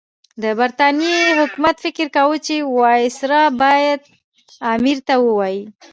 د برټانیې حکومت فکر کاوه چې وایسرا باید امیر ته ووايي.